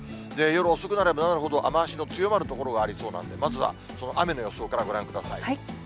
夜遅くなればなるほど、雨足の強まる所がありそうなんで、まずはその雨の予想からご覧ください。